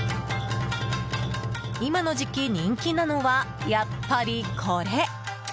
今の時期、人気なのはやっぱりこれ！